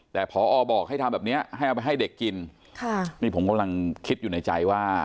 แต่พอบอกให้ทำแบบเนี้ยให้เอาไปให้เด็กกินค่ะนี่ผมกำลังคิดอยู่ในใจว่า